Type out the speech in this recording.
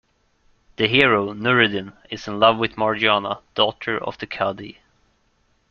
The hero, Nureddin, is in love with Margiana, daughter of the Cadi.